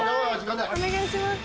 お願いします。